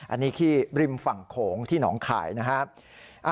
อันนี้ที่ริมฝั่งโขงที่หนองข่ายนะครับ